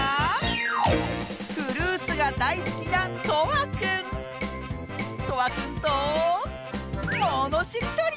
フルーツがだいすきなとわくんとものしりとり！